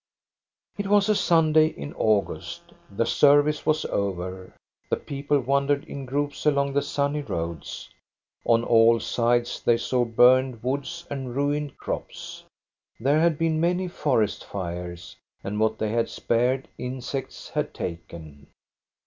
It was a Sunday in August. The service was over. The people wandered in groups along the sunny roads. On all sides they saw burned woods and ruined crops. There had been many forest fires; and what they had spared, insects had taken.